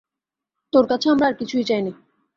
তোর কাছে আমরা আর কিছুই চাই নে।